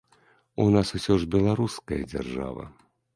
У нас усё ж беларуская дзяржава.